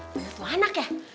bener bener anak ya